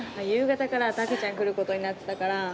夕方からタケちゃん来ることになってたから。